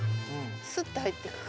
スッて入ってく。